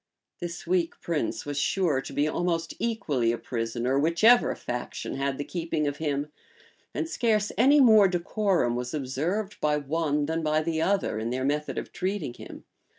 This weak prince was sure to be almost equally a prisoner whichever faction had the keeping of him; and scarce any more decorum was observed by one than by the other, in their method of treating him.